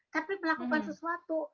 tapi melakukan sesuatu